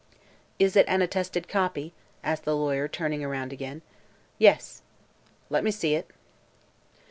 "Is it an attested copy?" asked the lawyer, turning around again. "Yes." "Let me see it."